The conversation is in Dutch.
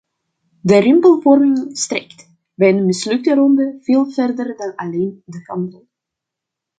De rimpelvorming strekt, bij een mislukte ronde, veel verder dan alleen de handel.